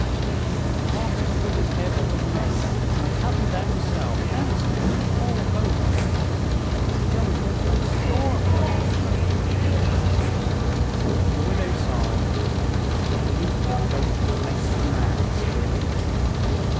"The cloth's as good as ever was made, an' I cut 'em down myself, an' stitched 'em all over." "They don't look like store clothes, though," objected Skim. The widow sighed. "Tain't the coat that makes the man, Skim."